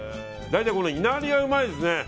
大体、このいなりがうまいですね。